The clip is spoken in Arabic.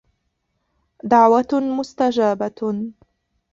دَعْوَةٌ مُسْتَجَابَةٌ